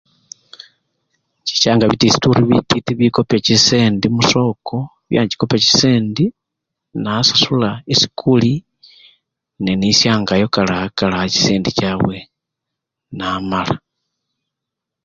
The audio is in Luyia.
Inchichanga bidesituri bititi bibikopa chisendi musoko byanchikopa chisendi nasasula esikuli nenisyangayo kalaa kalaa chisendi chabwe namala.